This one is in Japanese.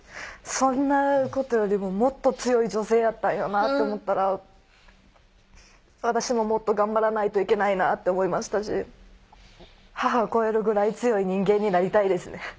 そんなことよりももっと強い女性やったんやなと思ったら私ももっと頑張らないといけないなって思いましたし母を超えるぐらい強い人間になりたいですね